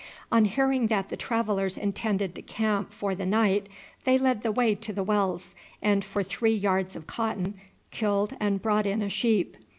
On hearing that the travellers intended to camp for the night they led the way to the wells, and for three yards of cotton killed and brought in a sheep.